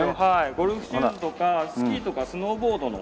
ゴルフシューズとかスキーとかスノーボードの。